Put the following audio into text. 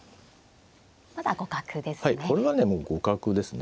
まだ互角ですね。